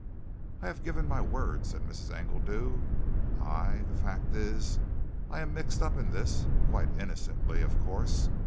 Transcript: "I have given my word," said Mrs. Engledew. "I the fact is, I am mixed up in this, quite innocently, of course.